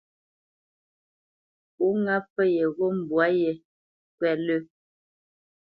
Pó ŋá pfə yeghó mbwǎ yé ŋkwɛ́t lə̂.